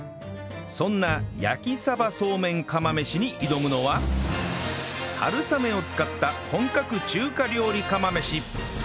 そんな焼鯖そうめん釜飯に挑むのは春雨を使った本格中華料理釜飯